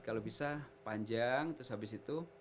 kalau bisa panjang terus habis itu